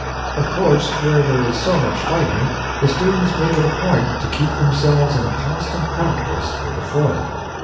Of course, where there is so much fighting, the students make it a point to keep themselves in constant practice with the foil.